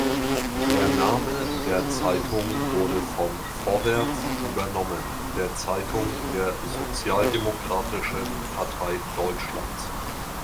Der Name der Zeitung wurde vom Vorwärts übernommen, der Zeitung der Sozialdemokratischen Partei Deutschlands.